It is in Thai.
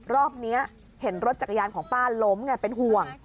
รอบนี้เห็นรถจักรยานของป้าล้มไงเป็นห่วง